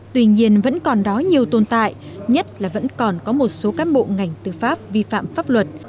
tuy nhiên vẫn còn đó nhiều tồn tại nhất là vẫn còn có một số cán bộ ngành tư pháp vi phạm pháp luật